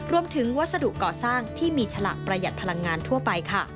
วัสดุก่อสร้างที่มีฉลากประหยัดพลังงานทั่วไปค่ะ